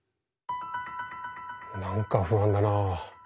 何か不安だな。